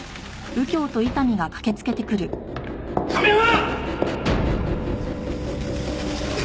亀山！